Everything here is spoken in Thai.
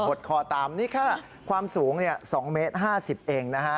ดคอตามนี่ค่ะความสูง๒เมตร๕๐เองนะฮะ